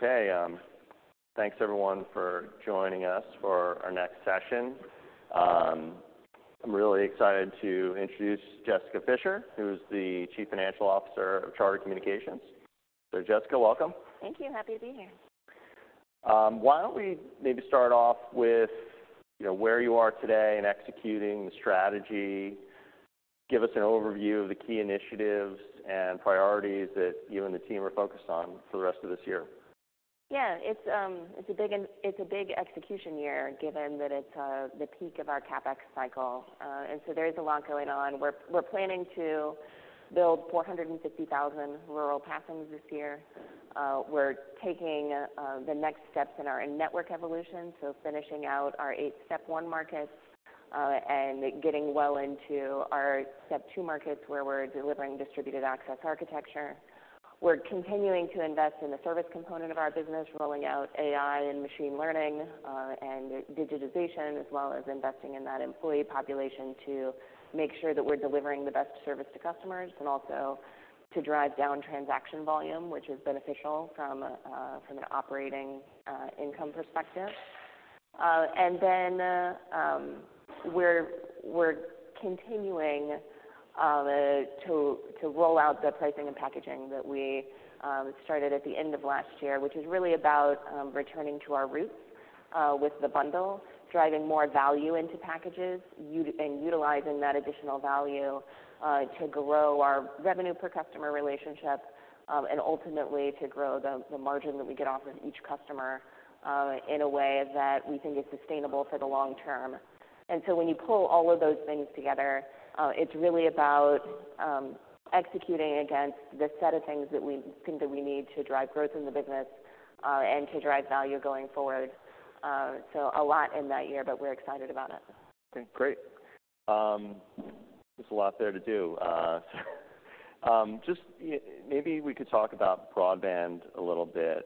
Okay, thanks everyone for joining us for our next session. I'm really excited to introduce Jessica Fischer, who's the Chief Financial Officer of Charter Communications. Jessica, welcome. Thank you. Happy to be here. Why don't we maybe start off with, you know, where you are today in executing the strategy? Give us an overview of the key initiatives and priorities that you and the team are focused on for the rest of this year. Yeah, it's a big execution year given that it's the peak of our CapEx cycle. There is a lot going on. We're planning to build 450,000 rural passings this year. We're taking the next steps in our network evolution, finishing out our eight-Step 1 markets, and getting well into our Step 2 markets where we're delivering distributed access architecture. We're continuing to invest in the service component of our business, rolling out AI and machine learning, and digitization, as well as investing in that employee population to make sure that we're delivering the best service to customers and also to drive down transaction volume, which is beneficial from an operating income perspective. We're continuing to roll out the pricing and packaging that we started at the end of last year, which is really about returning to our roots with the bundle, driving more value into packages, and utilizing that additional value to grow our revenue per customer relationship, and ultimately to grow the margin that we get off of each customer in a way that we think is sustainable for the long term. When you pull all of those things together, it's really about executing against the set of things that we think that we need to drive growth in the business and to drive value going forward. A lot in that year, but we're excited about it. Okay, great. There's a lot there to do. Just, you know, maybe we could talk about broadband a little bit.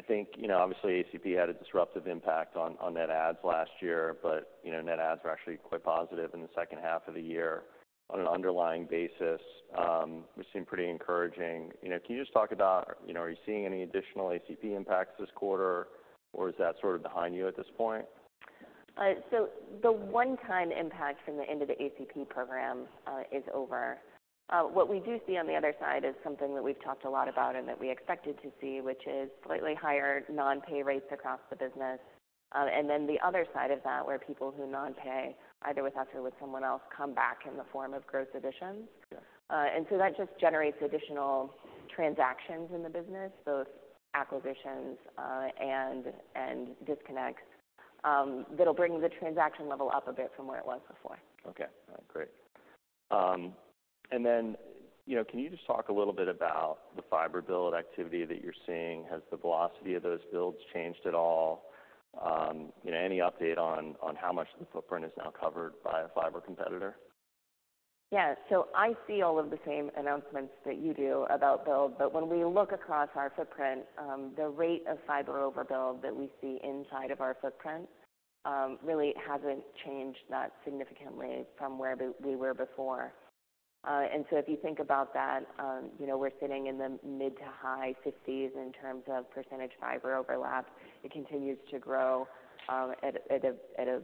I think, you know, obviously ACP had a disruptive impact on net adds last year, but, you know, net adds were actually quite positive in the second half of the year on an underlying basis, which seemed pretty encouraging. You know, can you just talk about, you know, are you seeing any additional ACP impacts this quarter, or is that sort of behind you at this point? The one-time impact from the end of the ACP program is over. What we do see on the other side is something that we've talked a lot about and that we expected to see, which is slightly higher non-pay rates across the business. Then the other side of that, where people who non-pay, either with us or with someone else, come back in the form of gross additions. Yeah. That just generates additional transactions in the business, both acquisitions and disconnects, that'll bring the transaction level up a bit from where it was before. Okay. All right. Great. And then, you know, can you just talk a little bit about the fiber build activity that you're seeing? Has the velocity of those builds changed at all? You know, any update on how much of the footprint is now covered by a fiber competitor? Yeah. I see all of the same announcements that you do about build, but when we look across our footprint, the rate of fiber overbuild that we see inside of our footprint really hasn't changed that significantly from where we were before. If you think about that, you know, we're sitting in the mid to high 50s in terms of percentage fiber overlap. It continues to grow at a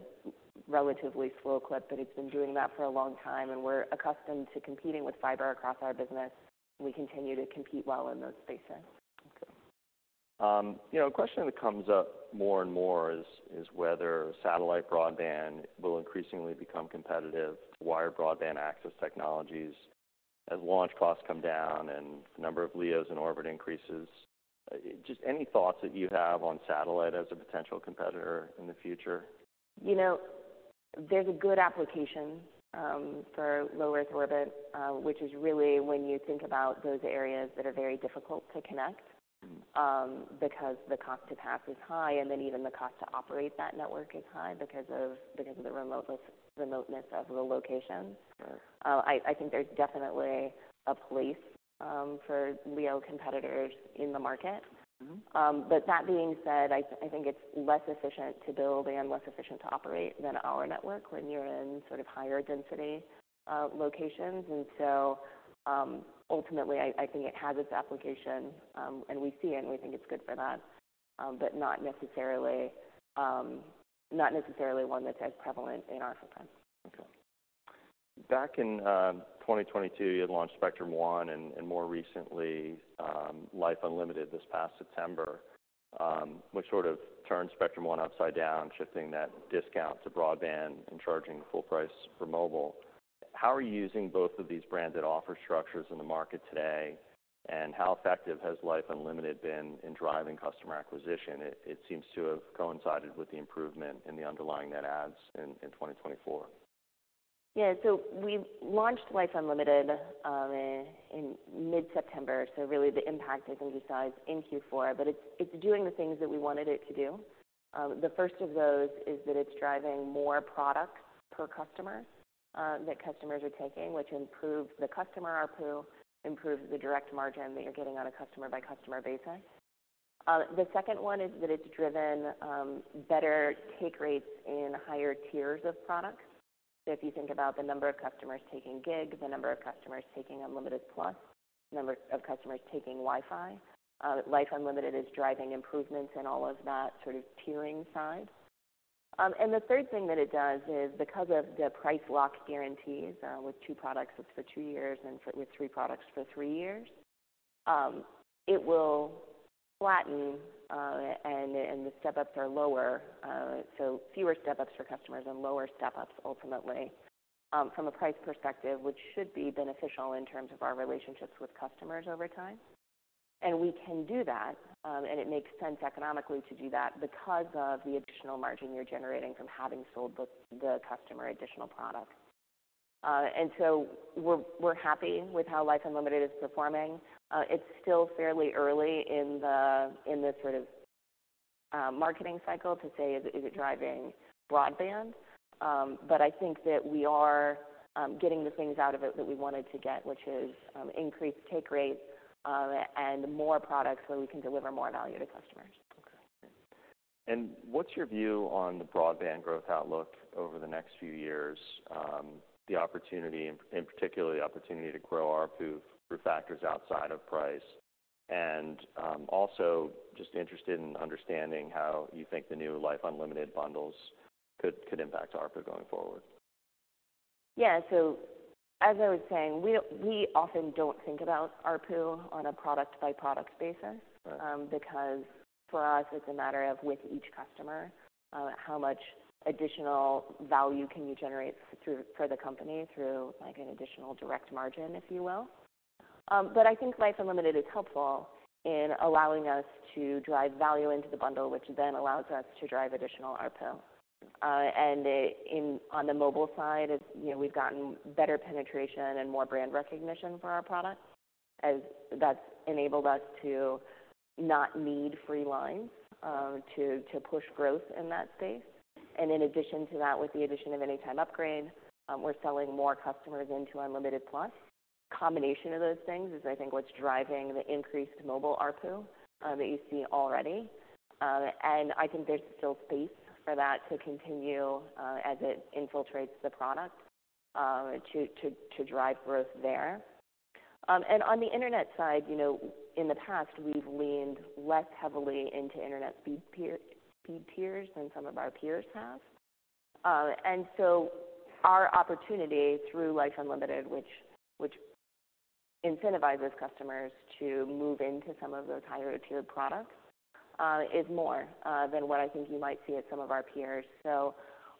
relatively slow clip, but it's been doing that for a long time, and we're accustomed to competing with fiber across our business. We continue to compete well in those spaces. Okay. You know, a question that comes up more and more is, is whether satellite broadband will increasingly become competitive, wired broadband access technologies as launch costs come down and the number of LEOs in orbit increases. Just any thoughts that you have on satellite as a potential competitor in the future? You know, there's a good application for low Earth orbit, which is really when you think about those areas that are very difficult to connect because the cost to pass is high, and then even the cost to operate that network is high because of the remoteness of the location. I think there's definitely a place for LEO competitors in the market. That being said, I think it's less efficient to build and less efficient to operate than our network. We're near in sort of higher- density locations. Ultimately, I think it has its application, and we see it, and we think it's good for that, but not necessarily, not necessarily one that's as prevalent in our footprint. Okay. Back in 2022, you had launched Spectrum One and more recently, Life Unlimited this past September, which sort of turned Spectrum One upside down, shifting that discount to broadband and charging full price for mobile. How are you using both of these branded offer structures in the market today, and how effective has Life Unlimited been in driving customer acquisition? It seems to have coincided with the improvement in the underlying net adds in 2024. Yeah. We launched Life Unlimited in mid-September. Really, the impact isn't just size in Q4, but it's doing the things that we wanted it to do. The first of those is that it's driving more product per customer that customers are taking, which improves the customer ARPU, improves the direct margin that you're getting on a customer-by-customer basis. The second one is that it's driven better take rates in higher tiers of products. If you think about the number of customers taking gig, the number of customers taking Unlimited Plus, the number of customers taking Wi-Fi, Life Unlimited is driving improvements in all of that sort of tiering side. The third thing that it does is because of the price lock guarantees, with two products that's for two years and with three products for three years, it will flatten, and the step-ups are lower, so fewer step-ups for customers and lower step-ups ultimately, from a price perspective, which should be beneficial in terms of our relationships with customers over time. We can do that, and it makes sense economically to do that because of the additional margin you're generating from having sold the customer additional product. We're happy with how Life Unlimited is performing. It's still fairly early in the sort of marketing cycle to say is it driving broadband. I think that we are getting the things out of it that we wanted to get, which is increased take rates, and more products where we can deliver more value to customers. Okay. What is your view on the broadband growth outlook over the next few years, the opportunity in, in particular, the opportunity to grow ARPU through factors outside of price? Also, just interested in understanding how you think the new Life Unlimited bundles could impact ARPU going forward. Yeah. As I was saying, we often don't think about ARPU on a product-by-product basis. Right. Because for us, it's a matter of with each customer, how much additional value can you generate for the company through, like, an additional direct margin, if you will. I think Life Unlimited is helpful in allowing us to drive value into the bundle, which then allows us to drive additional ARPU. On the mobile side, it's, you know, we've gotten better penetration and more brand recognition for our product, as that's enabled us to not need free lines to push growth in that space. In addition to that, with the addition of Anytime Upgrade, we're selling more customers into Unlimited Plus. Combination of those things is, I think, what's driving the increased mobile ARPU that you see already. I think there's still space for that to continue, as it infiltrates the product, to drive growth there. And on the internet side, you know, in the past, we've leaned less heavily into internet speed tiers than some of our peers have. And so our opportunity through Life Unlimited, which incentivizes customers to move into some of those higher-tier products, is more than what I think you might see at some of our peers.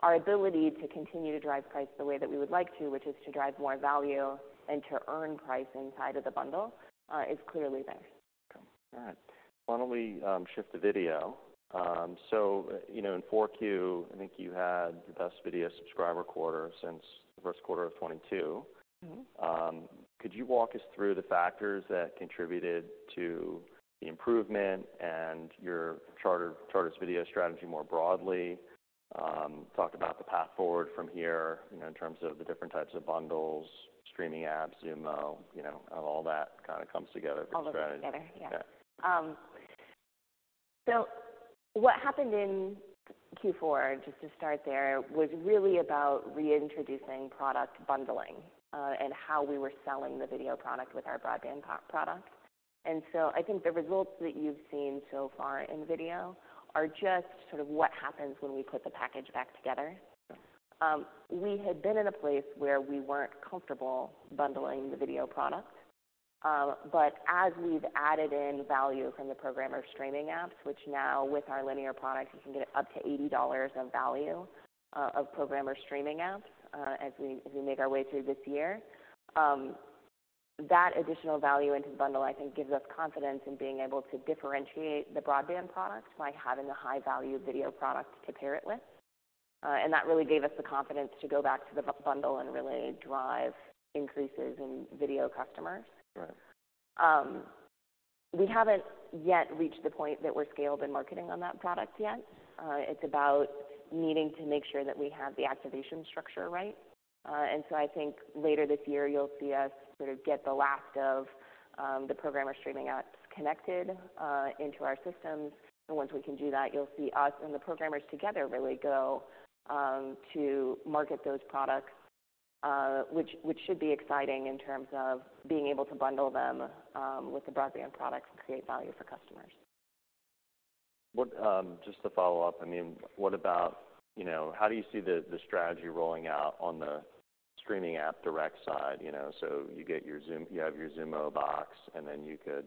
Our ability to continue to drive price the way that we would like to, which is to drive more value and to earn price inside of the bundle, is clearly there. Okay. All right. Finally, shift to video. You know, in Q4, I think you had the best video subscriber quarter since the first quarter of 2022. Could you walk us through the factors that contributed to the improvement and your Charter, Charter's video strategy more broadly? Talk about the path forward from here, you know, in terms of the different types of bundles, streaming apps, Xumo, you know, how all that kind of comes together for strategy. All comes together. Yeah. What happened in Q4, just to start there, was really about reintroducing product bundling, and how we were selling the video product with our broadband product. I think the results that you've seen so far in video are just sort of what happens when we put the package back together. We had been in a place where we were not comfortable bundling the video product. As we have added in value from the programmer streaming apps, which now with our linear product, you can get up to $80 of value of programmer streaming apps as we make our way through this year. That additional value into the bundle, I think, gives us confidence in being able to differentiate the broadband product by having a high-value video product to pair it with. That really gave us the confidence to go back to the bundle and really drive increases in video customers. Right. We haven't yet reached the point that we're scaled in marketing on that product yet. It's about needing to make sure that we have the activation structure right. I think later this year, you'll see us sort of get the last of the programmer streaming apps connected into our systems. Once we can do that, you'll see us and the programmers together really go to market those products, which should be exciting in terms of being able to bundle them with the broadband products and create value for customers. What, just to follow up, I mean, what about, how do you see the strategy rolling out on the streaming app direct side? You know, so you get your Xumo you have your Xumo box, and then you could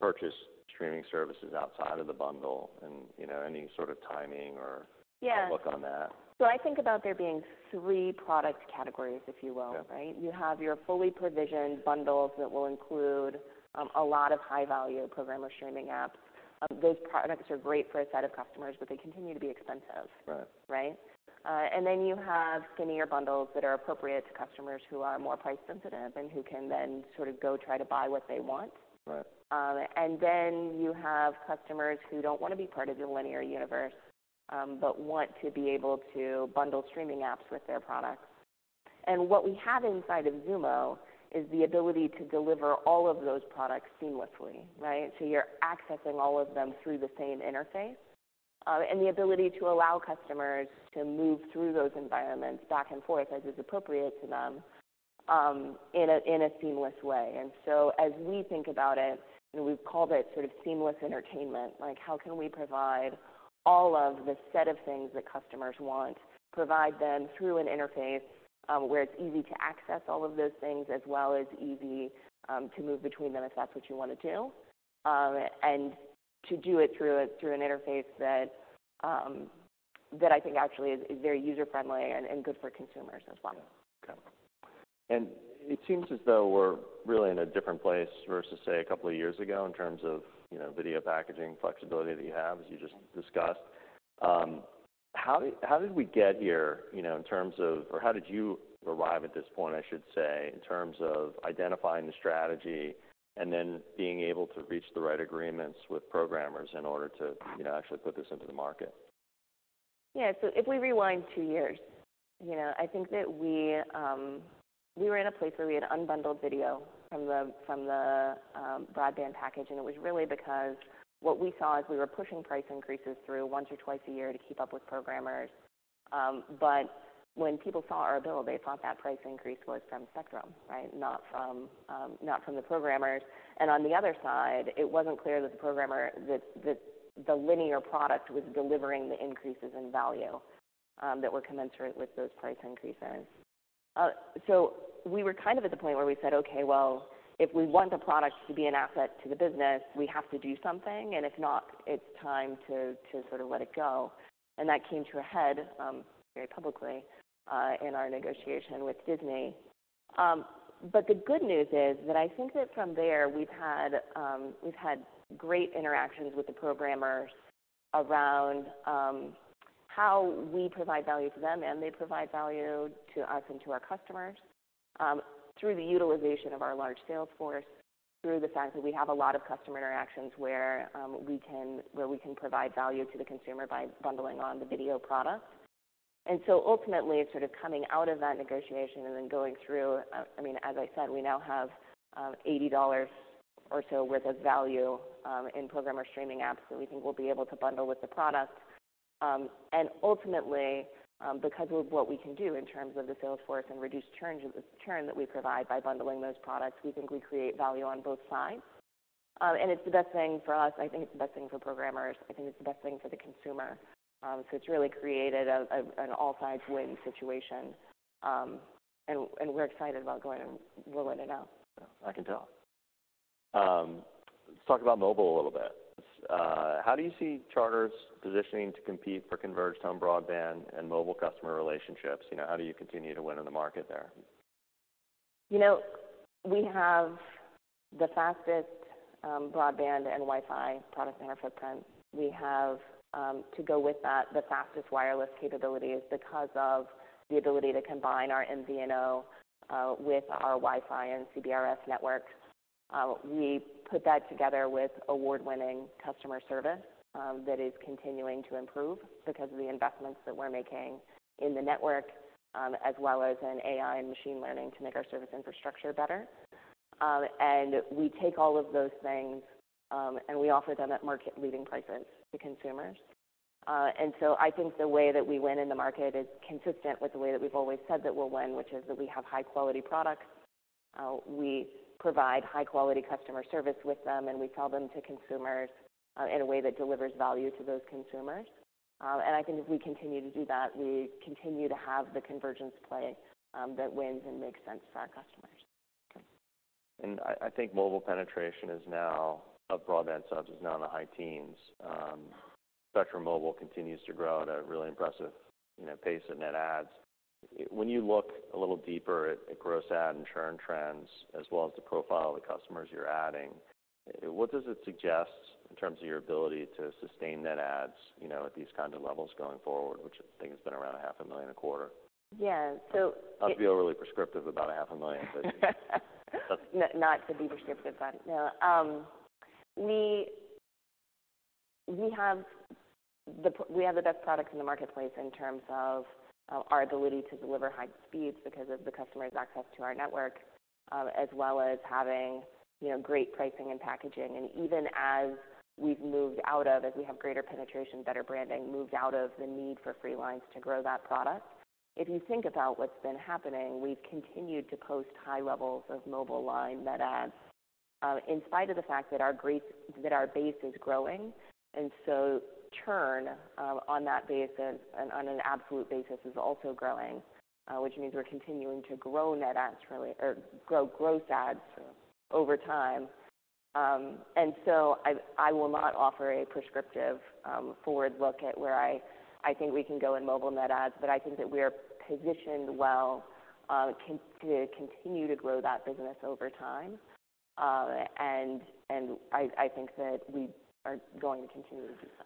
purchase streaming services outside of the bundle and, you know, any sort of timing or. Outlook on that? I think about there being three product categories, if you will. Yeah. Right? You have your fully provisioned bundles that will include a lot of high-value programmer streaming apps. Those products are great for a set of customers, but they continue to be expensive. Right. Right? And then you have skinnier bundles that are appropriate to customers who are more price sensitive and who can then sort of go try to buy what they want and then you have customers who don't wanna be part of your linear universe, but want to be able to bundle streaming apps with their products. What we have inside of Xumo is the ability to deliver all of those products seamlessly, right? You're accessing all of them through the same interface, and the ability to allow customers to move through those environments back and forth as is appropriate to them, in a seamless way. As we think about it, you know, we've called it sort of seamless entertainment. Like, how can we provide all of the set of things that customers want, provide them through an interface where it's easy to access all of those things as well as easy to move between them if that's what you want to do, and to do it through an interface that I think actually is very user-friendly and good for consumers as well. Yeah. Okay. It seems as though we're really in a different place versus, say, a couple of years ago in terms of, video packaging flexibility that you have, as you just discussed. How did we get here in terms of, or how did you arrive at this point, I should say, in terms of identifying the strategy and then being able to reach the right agreements with programmers in order to, you know, actually put this into the market? Yeah. If we rewind two years, I think that we were in a place where we had unbundled video from the broadband package, and it was really because what we saw is we were pushing price increases through once or twice a year to keep up with programmers. When people saw our bill, they thought that price increase was from Spectrum, right, not from the programmers. On the other side, it was not clear that the programmer, that the linear product was delivering the increases in value that were commensurate with those price increases. We were kind of at the point where we said, "Okay. If we want the product to be an asset to the business, we have to do something. If not, it's time to sort of let it go. That came to a head, very publicly, in our negotiation with Disney. The good news is that I think that from there, we've had great interactions with the programmers around how we provide value to them and they provide value to us and to our customers, through the utilization of our large sales force, through the fact that we have a lot of customer interactions where we can, where we can provide value to the consumer by bundling on the video product. Ultimately, sort of coming out of that negotiation and then going through, I mean, as I said, we now have $80 or so worth of value in programmer streaming apps that we think we'll be able to bundle with the product. Ultimately, because of what we can do in terms of the sales force and reduced churn to the churn that we provide by bundling those products, we think we create value on both sides. It's the best thing for us. I think it's the best thing for programmers. I think it's the best thing for the consumer. It's really created an all-sides win situation, and we're excited about going and rolling it out. Yeah. I can tell. Let's talk about mobile a little bit. How do you see Charter's positioning to compete for converged home broadband and mobile customer relationships? You know, how do you continue to win in the market there? You know, we have the fastest broadband and Wi-Fi product in our footprint. We have, to go with that, the fastest wireless capabilities because of the ability to combine our MVNO with our Wi-Fi and CBRS networks. We put that together with award-winning customer service that is continuing to improve because of the investments that we're making in the network, as well as in AI and machine learning to make our service infrastructure better. We take all of those things, and we offer them at market-leading prices to consumers. I think the way that we win in the market is consistent with the way that we've always said that we'll win, which is that we have high-quality products. We provide high-quality customer service with them, and we sell them to consumers in a way that delivers value to those consumers. I think if we continue to do that, we continue to have the convergence play, that wins and makes sense for our customers. Okay. I think mobile penetration is now, broadband subs is now in the high teens. Spectrum Mobile continues to grow at a really impressive, you know, pace in net adds. When you look a little deeper at gross add and churn trends as well as the profile of the customers you're adding, what does it suggest in terms of your ability to sustain net adds, you know, at these kind of levels going forward, which I think has been around 500,000 a quarter? Yeah. So. I'll just be overly prescriptive about $500,000, but. Not to be prescriptive, but no. We have the best products in the marketplace in terms of our ability to deliver high speeds because of the customer's access to our network, as well as having great pricing and packaging. Even as we've moved out of, as we have greater penetration, better branding, moved out of the need for free lines to grow that product, if you think about what's been happening, we've continued to post high levels of mobile line net adds, in spite of the fact that our base is growing. Churn, on that basis, and on an absolute basis, is also growing, which means we're continuing to grow net adds really or grow gross adds over time. I will not offer a prescriptive, forward look at where I think we can go in mobile net adds, but I think that we are positioned well to continue to grow that business over time. I think that we are going to continue to do so.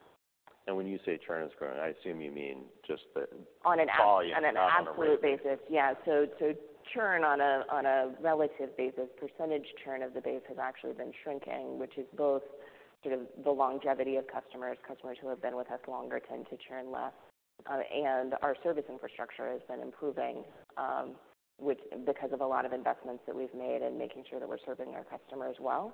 When you say churn is growing, I assume you mean just the volume and the absolute. On an absolute basis. Yeah. Churn on a relative basis, percentage churn of the base has actually been shrinking, which is both sort of the longevity of customers. Customers who have been with us longer tend to churn less, and our service infrastructure has been improving, which is because of a lot of investments that we've made, and making sure that we're serving our customers well.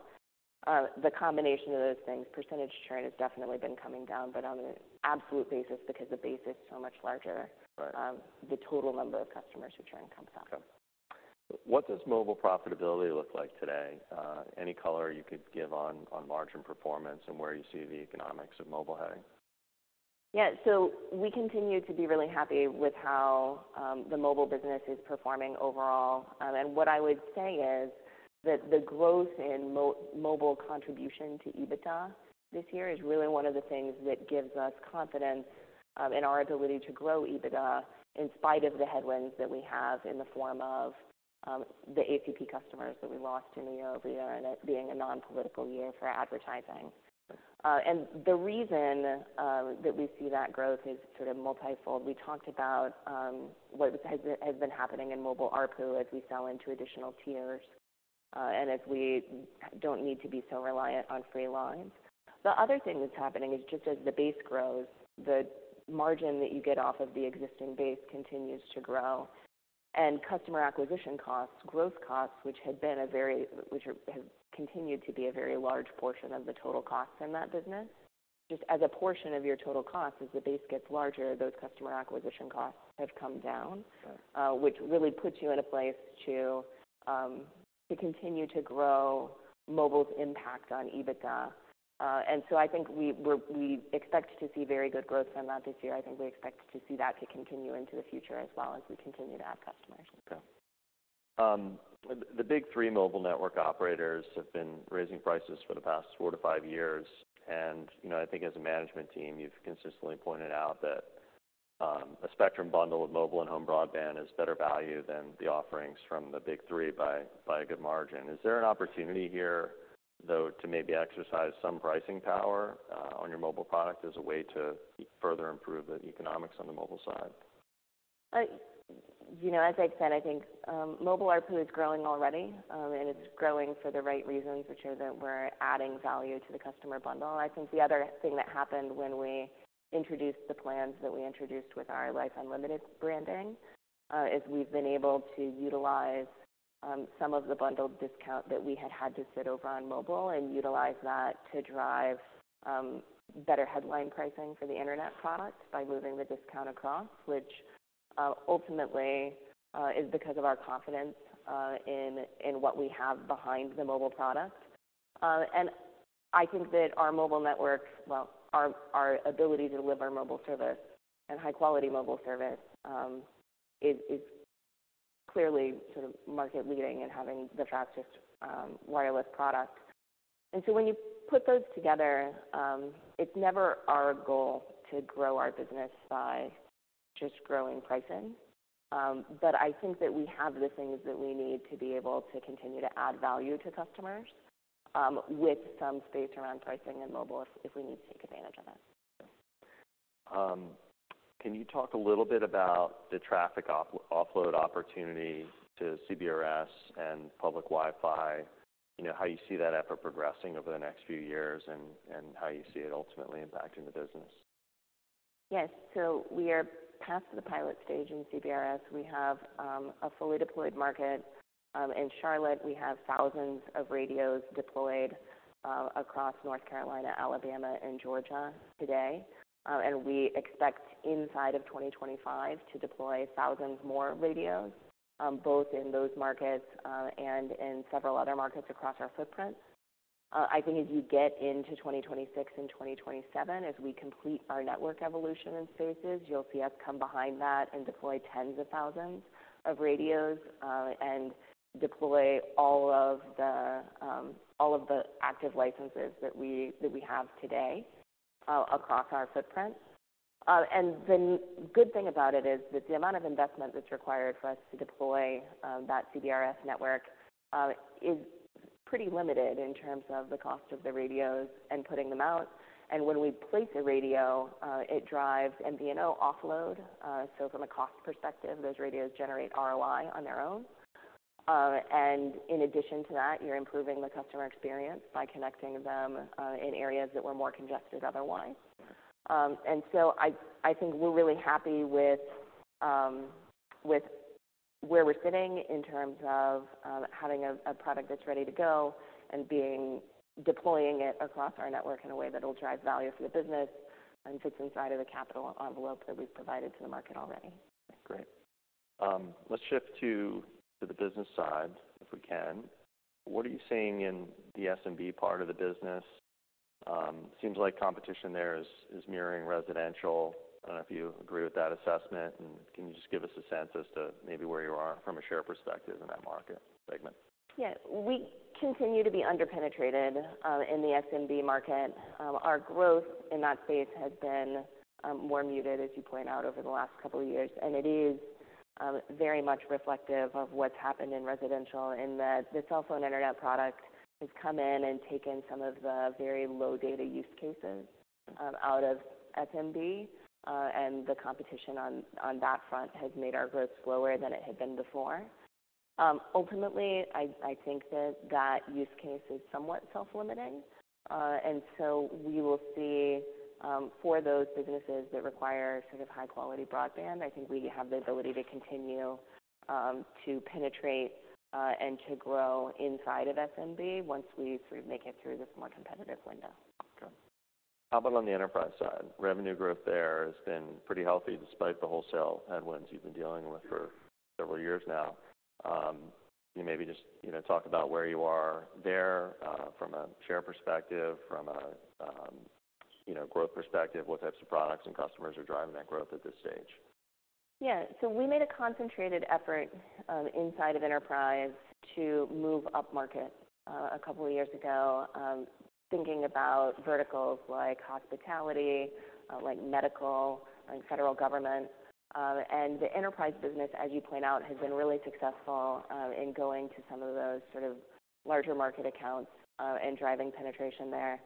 The combination of those things, percentage churn has definitely been coming down, but on an absolute basis because the base is so much larger. The total number of customers who churn comes up. Okay. What does mobile profitability look like today? Any color you could give on, on margin performance and where you see the economics of mobile heading? Yeah. We continue to be really happy with how the mobile business is performing overall. What I would say is that the growth in mobile contribution to EBITDA this year is really one of the things that gives us confidence in our ability to grow EBITDA in spite of the headwinds that we have in the form of the ACP customers that we lost in the year-over-the year and it being a non-political year for advertising. Right. The reason that we see that growth is sort of multi-fold. We talked about what has been happening in mobile ARPU as we sell into additional tiers, and as we do not need to be so reliant on free lines. The other thing that is happening is just as the base grows, the margin that you get off of the existing base continues to grow. Customer acquisition costs, gross costs, which have continued to be a very large portion of the total costs in that business, just as a portion of your total costs, as the base gets larger, those customer acquisition costs have come down. Which really puts you in a place to continue to grow mobile's impact on EBITDA. I think we expect to see very good growth from that this year. I think we expect to see that continue into the future as well as we continue to add customers. Okay. The big three mobile network operators have been raising prices for the past four to five years. And, you know, I think as a management team, you've consistently pointed out that a Spectrum bundle with mobile and home broadband is better value than the offerings from the big three by a good margin. Is there an opportunity here, though, to maybe exercise some pricing power on your mobile product as a way to further improve the economics on the mobile side? You know, as I said, I think mobile ARPU is growing already, and it's growing for the right reasons, which are that we're adding value to the customer bundle. I think the other thing that happened when we introduced the plans that we introduced with our Life Unlimited branding is we've been able to utilize some of the bundled discount that we had had to sit over on mobile and utilize that to drive better headline pricing for the internet product by moving the discount across, which ultimately is because of our confidence in what we have behind the mobile product. I think that our mobile network, our ability to deliver mobile service and high-quality mobile service, is clearly sort of market-leading and having the fastest wireless product. When you put those together, it's never our goal to grow our business by just growing pricing. I think that we have the things that we need to be able to continue to add value to customers, with some space around pricing and mobile if we need to take advantage of it. Okay. Can you talk a little bit about the traffic offload opportunity to CBRS and public Wi-Fi, you know, how you see that effort progressing over the next few years and how you see it ultimately impacting the business? Yes. We are past the pilot stage in CBRS. We have a fully deployed market in Charlotte, we have thousands of radios deployed across North Carolina, Alabama, and Georgia today. We expect inside of 2025 to deploy thousands more radios, both in those markets and in several other markets across our footprint. I think as you get into 2026 and 2027, as we complete our network evolution in spaces, you'll see us come behind that and deploy tens of thousands of radios, and deploy all of the active licenses that we have today across our footprint. The good thing about it is that the amount of investment that's required for us to deploy that CBRS network is pretty limited in terms of the cost of the radios and putting them out. When we place a radio, it drives MVNO offload. From a cost perspective, those radios generate ROI on their own. In addition to that, you're improving the customer experience by connecting them in areas that were more congested otherwise, I think we're really happy with where we're sitting in terms of having a product that's ready to go and being deploying it across our network in a way that'll drive value for the business and fits inside of the capital envelope that we've provided to the market already. Okay. Great. Let's shift to the business side if we can. What are you seeing in the SMB part of the business? Seems like competition there is mirroring residential. I do not know if you agree with that assessment. Can you just give us a sense as to maybe where you are from a share perspective in that market segment? Yeah. We continue to be underpenetrated in the SMB market. Our growth in that space has been more muted, as you point out, over the last couple of years. It is very much reflective of what's happened in residential in that the cell phone internet product has come in and taken some of the very low data use cases out of SMB. The competition on that front has made our growth slower than it had been before. Ultimately, I think that, that use case is somewhat self-limiting. We will see, for those businesses that require sort of high-quality broadband, I think we have the ability to continue to penetrate and to grow inside of SMB once we sort of make it through this more competitive window. Okay. How about on the enterprise side? Revenue growth there has been pretty healthy despite the wholesale headwinds you've been dealing with for several years now. Can you maybe just, you know, talk about where you are there, from a share perspective, from a growth perspective, what types of products and customers are driving that growth at this stage? Yeah. We made a concentrated effort, inside of enterprise to move upmarket, a couple of years ago, thinking about verticals like hospitality, like medical, and federal government. The enterprise business, as you point out, has been really successful, in going to some of those sort of larger market accounts, and driving penetration there.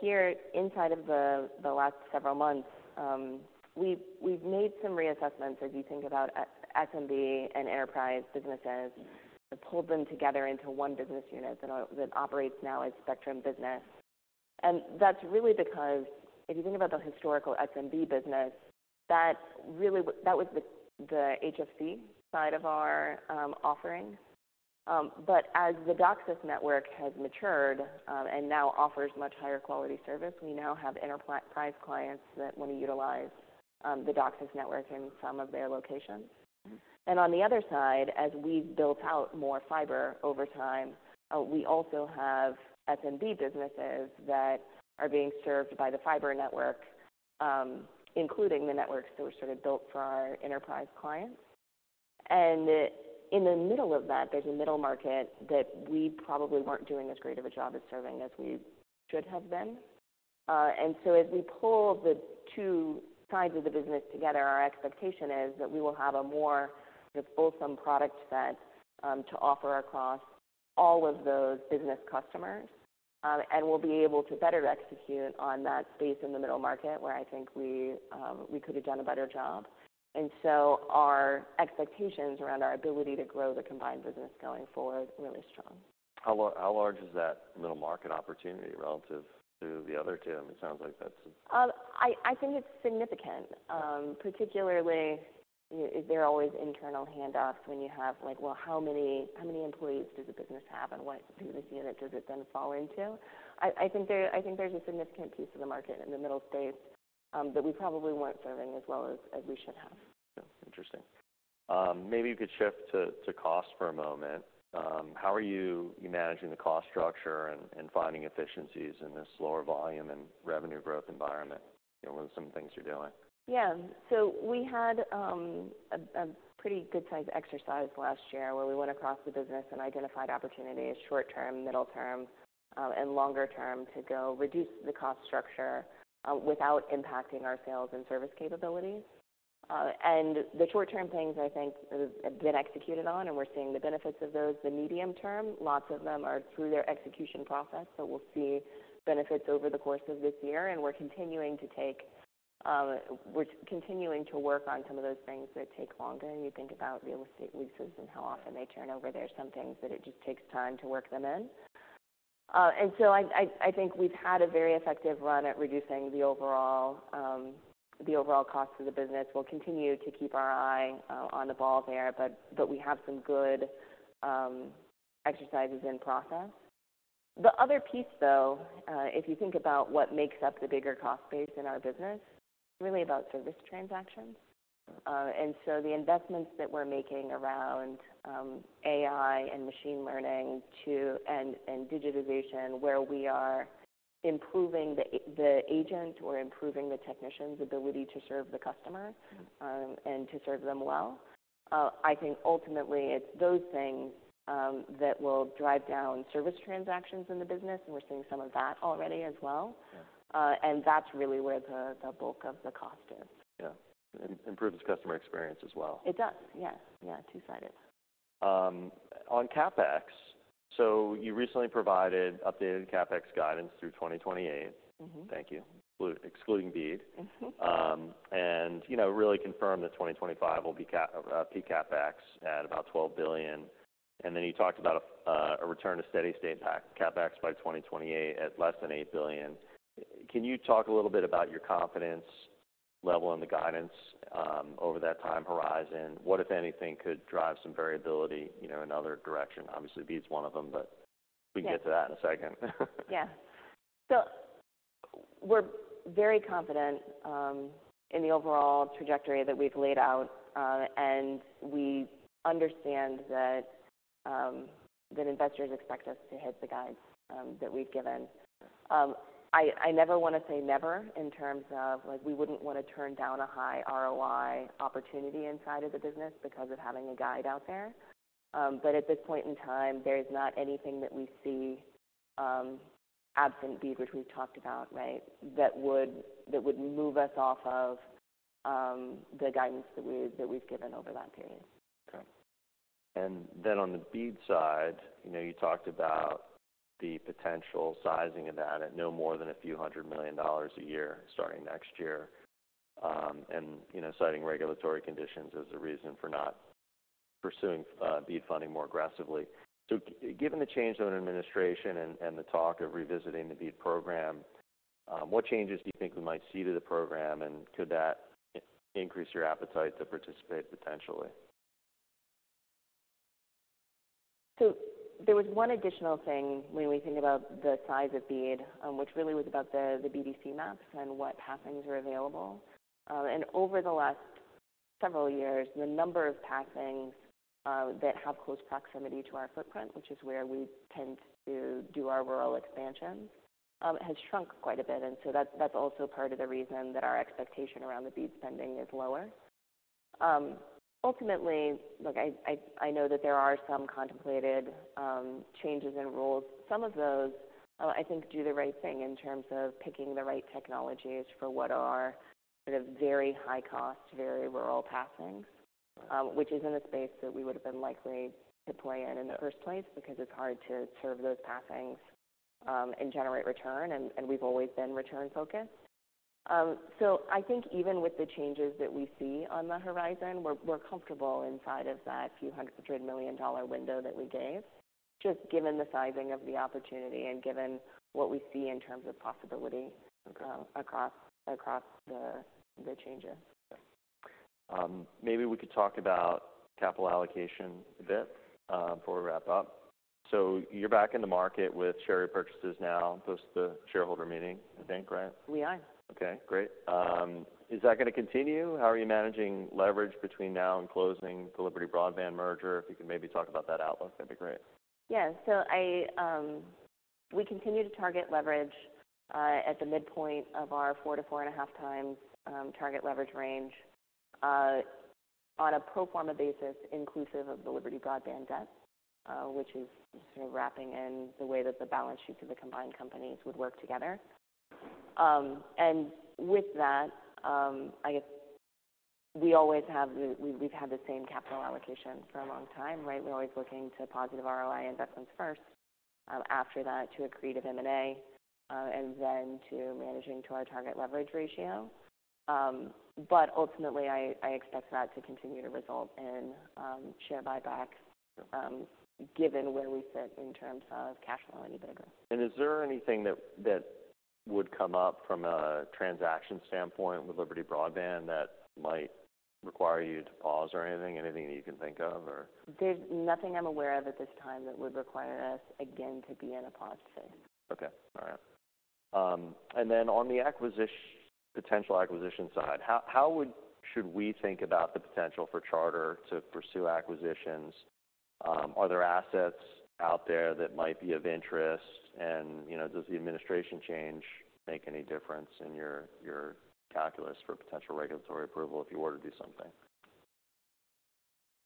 Here inside of the last several months, we've made some reassessments as you think about SMB and enterprise businesses. We pulled them together into one business unit that operates now as Spectrum Business. That is really because if you think about the historical SMB business, that was the HFC side of our offering. As the DOCSIS network has matured, and now offers much higher quality service, we now have enterprise clients that want to utilize the DOCSIS network in some of their locations. As we've built out more fiber over time, we also have SMB businesses that are being served by the fiber network, including the networks that were sort of built for our enterprise clients. In the middle of that, there's a middle market that we probably weren't doing as great of a job of serving as we should have been. As we pull the two sides of the business together, our expectation is that we will have a more sort of wholesome product set to offer across all of those business customers, and we'll be able to better execute on that space in the middle market where I think we could have done a better job. Our expectations around our ability to grow the combined business going forward are really strong. How large is that middle market opportunity relative to the other two? I mean, it sounds like that's. I think it's significant, particularly, you know, is there always internal handoffs when you have like, well, how many employees does the business have, and what business unit does it then fall into? I think there I think there's a significant piece of the market in the middle space, that we probably weren't serving as well as, as we should have. Yeah. Interesting. Maybe you could shift to cost for a moment. How are you managing the cost structure and finding efficiencies in this lower volume and revenue growth environment? You know, what are some things you're doing? Yeah. We had a pretty good-size exercise last year where we went across the business and identified opportunities short-term, middle-term, and longer-term to go reduce the cost structure, without impacting our sales and service capabilities. The short-term things I think have been executed on, and we're seeing the benefits of those. The medium-term, lots of them are through their execution process, so we'll see benefits over the course of this year. We're continuing to take, we're continuing to work on some of those things that take longer. You think about real estate leases and how often they turn over. There are some things that it just takes time to work them in. I think we've had a very effective run at reducing the overall, the overall cost of the business. We'll continue to keep our eye on the ball there, but we have some good exercises in process. The other piece, though, if you think about what makes up the bigger cost base in our business, it's really about service transactions. The investments that we're making around AI and machine learning and digitization, where we are improving the agent or improving the technician's ability to serve the customer and to serve them well, I think ultimately it's those things that will drive down service transactions in the business. We're seeing some of that already as well. Yeah. And that's really where the bulk of the cost is. Yeah. It improves customer experience as well. It does. Yeah. Yeah. Two-sided. On CapEx, you recently provided updated CapEx guidance through 2028. Thank you. Excluding BEAD and, you know, really confirmed that 2025 will be CapEx peak at about $12 billion. And then you talked about a return to steady state CapEx by 2028 at less than $8 billion. Can you talk a little bit about your confidence level in the guidance, over that time horizon? What, if anything, could drive some variability, you know, in other direction? Obviously, BEAD's one of them, but we can get to that in a second. Yeah. We are very confident in the overall trajectory that we have laid out, and we understand that investors expect us to hit the guides that we have given. I never want to say never in terms of, like, we would not want to turn down a high ROI opportunity inside of the business because of having a guide out there. At this point in time, there is not anything that we see, absent BEAD, which we have talked about, right, that would move us off of the guidance that we have given over that period. Okay. And then on the BEAD side, you know, you talked about the potential sizing of that at no more than a few hundred million dollars a year starting next year, and, you know, citing regulatory conditions as a reason for not pursuing BEAD funding more aggressively. Given the change in administration and the talk of revisiting the BEAD program, what changes do you think we might see to the program, and could that increase your appetite to participate potentially? There was one additional thing when we think about the size of BEAD, which really was about the BDC maps and what passings are available. Over the last several years, the number of passings that have close proximity to our footprint, which is where we tend to do our rural expansion, has shrunk quite a bit. That is also part of the reason that our expectation around the BEAD spending is lower. Ultimately, look, I know that there are some contemplated changes in rules. Some of those, I think, do the right thing in terms of picking the right technologies for what are sort of very high-cost, very rural passings, which is not a space that we would have been likely to play in in the first place because it is hard to serve those passings and generate return. We have always been return-focused. I think even with the changes that we see on the horizon, we're comfortable inside of that few hundred million dollar window that we gave, just given the sizing of the opportunity and given what we see in terms of possibility across the changes. Yeah. Maybe we could talk about capital allocation a bit, before we wrap up. You're back in the market with share purchases now post the shareholder meeting, I think, right? We are. Okay. Great. Is that going to continue? How are you managing leverage between now and closing the Liberty Broadband merger? If you could maybe talk about that outlook, that'd be great. Yeah. I, we continue to target leverage at the midpoint of our 4-4.5x target leverage range, on a pro forma basis inclusive of the Liberty Broadband debt, which is sort of wrapping in the way that the balance sheets of the combined companies would work together. With that, I guess we always have the, we've had the same capital allocation for a long time, right? We're always looking to positive ROI investments first, after that to accretive M&A, and then to managing to our target leverage ratio. Ultimately, I expect that to continue to result in share buybacks, given where we sit in terms of cash-flow and EBITDA. Is there anything that would come up from a transaction standpoint with Liberty Broadband that might require you to pause or anything, anything that you can think of? There's nothing I'm aware of at this time that would require us, again, to be in a pause phase. Okay. All right. And then on the acquisition, potential acquisition side, how should we think about the potential for Charter to pursue acquisitions? Are there assets out there that might be of interest? And, you know, does the administration change make any difference in your calculus for potential regulatory approval if you were to do something?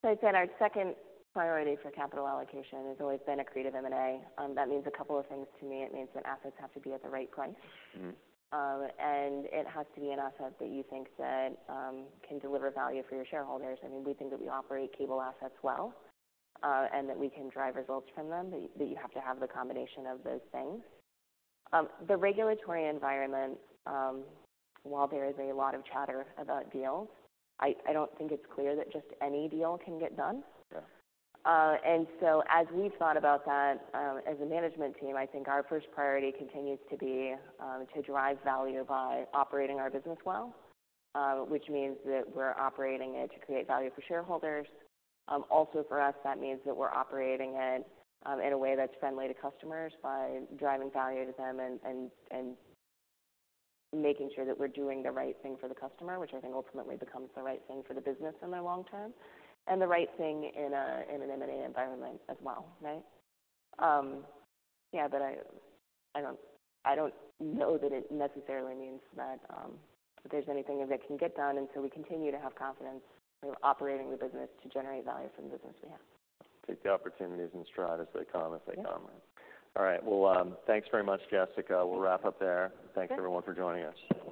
I'd say our second priority for capital allocation has always been accretive M&A. That means a couple of things to me. It means that assets have to be at the right price. It has to be an asset that you think that can deliver value for your shareholders. I mean, we think that we operate cable assets well, and that we can drive results from them, that you have to have the combination of those things. The regulatory environment, while there is a lot of chatter about deals, I don't think it's clear that just any deal can get done. As we've thought about that, as a management team, I think our first priority continues to be to drive value by operating our business well, which means that we're operating it to create value for shareholders. Also for us, that means that we're operating it in a way that's friendly to customers by driving value to them and making sure that we're doing the right thing for the customer, which I think ultimately becomes the right thing for the business in the long term and the right thing in an M&A environment as well, right? Yeah, but I don't know that it necessarily means that there's anything that can get done. We continue to have confidence in operating the business to generate value from the business we have. Take the opportunities and stride as they come. Yeah. All right. Thanks very much, Jessica. We'll wrap up there. Thanks. Thanks everyone for joining us.